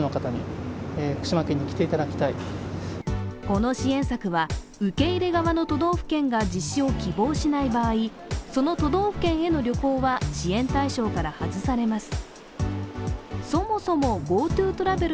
この支援策は受け入れ側の都道府県が実施を希望しない場合、その都道府県への旅行は支援対象から外されます。